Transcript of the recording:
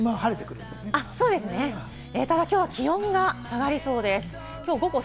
ただきょうは気温が下がりそうです。